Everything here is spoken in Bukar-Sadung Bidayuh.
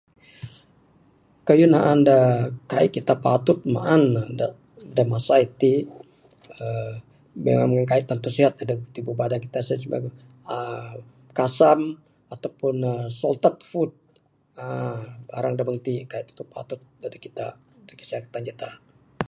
Kayuh naan da kaik kita patut maan ne da da masa iti aaa bin nyam kaik tantu sihat adep tubuh badan kita aaa kasam ato pun aaa salted food aaa barang da meng ti kaik tantu patut dadeg kita dadeg kesihatan kita.